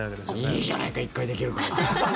いいじゃないか１回でいけるから。